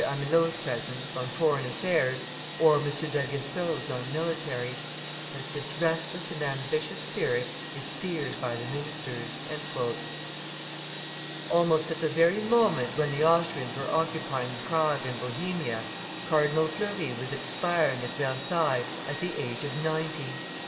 Amelot's presence, on foreign affairs, or M. d'Aguesseau's, on military; but this restless and ambitious spirit is feared by the ministers." Almost at the very moment when the Austrians were occupying Prague and Bohemia, Cardinal Fleury was expiring, at Versailles, at the age of ninety.